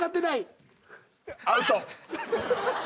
アウト。